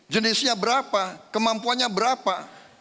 jenisnya berapa kemampuannya berapa